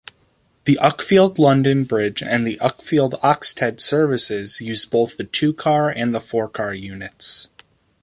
The Uckfield-London Bridge and Uckfield-Oxted services use both the two-car and the four-car units.